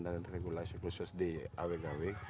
dan regulasi khusus di awkw